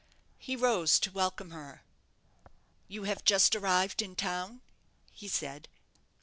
He rose to welcome her. "You have just arrived in town?" he said.